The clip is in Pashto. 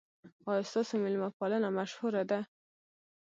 ایا ستاسو میلمه پالنه مشهوره ده؟